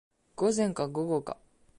午前か午後か